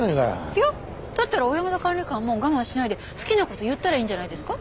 いやだったら小山田管理官も我慢しないで好きな事言ったらいいんじゃないですか？